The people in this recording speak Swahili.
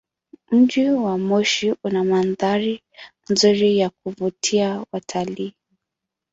Mji wa Moshi una mandhari nzuri ya kuvutia watalii.